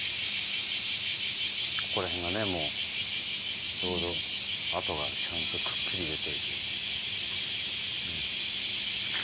ここら辺がね、ちょうど跡がちゃんとくっきり出てる。